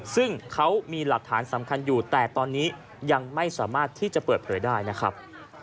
ซึ่งเขามีหลักฐานสำคัญอยู่แต่ตอนนี้ยังไม่สามารถที่จะเปิดเผยได้นะครับ